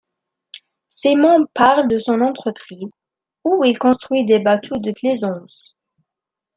Simon parle de son entreprise, où il construit des bateaux de plaisance.